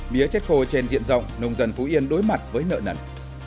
mía chết khô trên diện rộng nông dân phú yên đối mặt với nợ nần